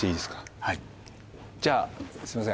はいじゃあすいません